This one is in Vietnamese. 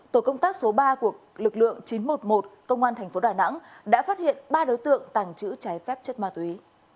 tổ công tác số ba của lực lượng chín trăm một mươi một công an thành phố đà nẵng đã phát hiện ba đối tượng tàng trữ trái phép chất ma túy